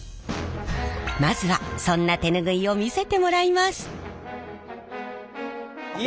まずはそんな手ぬぐいを見せてもらいます。